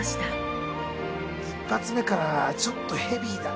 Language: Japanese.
１発目からちょっとヘビーだな。